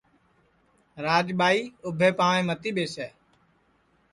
راجٻائی اُٻھے پاںٚوے متی ٻیسے